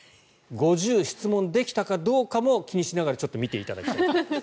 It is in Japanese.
５０質問できたかどうかも気にしながらちょっと見ていただきたいと思います。